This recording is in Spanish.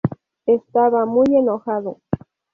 Estaba muy enojado.